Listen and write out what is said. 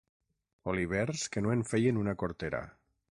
Olivers que no en feien una cortera.